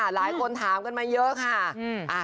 หลายคนถามกันมาเยอะค่ะ